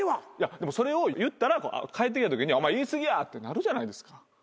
でもそれを言ったら帰ってきたときにお前言い過ぎやってなるじゃないですか。